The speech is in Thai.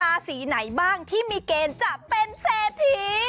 ราศีไหนบ้างที่มีเกณฑ์จะเป็นเศรษฐี